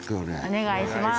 お願いします